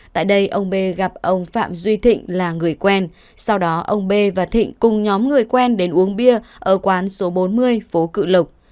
tại đây ông b gặp ông phạm duy thịnh là người quen sau đó ông b và thịnh cùng nhóm người quen đến uống bia ở quán số bốn mươi phố cự lộc